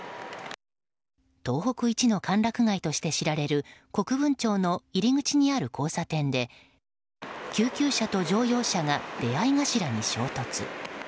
東北一の歓楽街として知られる国分町の入り口にある交差点で救急車と乗用車が出合い頭に衝突。